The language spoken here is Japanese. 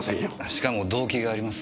しかも動機があります。